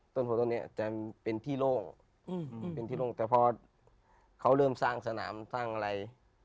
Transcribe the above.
ต้นโผล่ต้นนี้จะเป็นที่โล่งแต่พอเขาเริ่มสร้างสนามสร้างอะไร